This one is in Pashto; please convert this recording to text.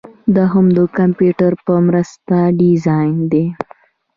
دوهم د کمپیوټر په مرسته ډیزاین دی.